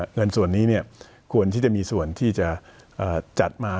เงินส่วนนี้ควรที่จะมีส่วนที่จะจัดมา